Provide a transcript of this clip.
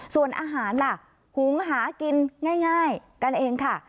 ส่วนอาหารล่ะหุงหากินง่ายกันเองค่ะ